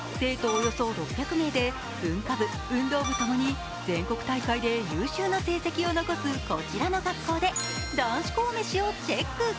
およそ６００名で文化部、運動部とともに、全国大会で優秀な成績を残すこちらの学校で男子校メシをチェック。